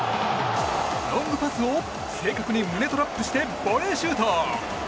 ロングパスを正確に胸トラップしてシュート！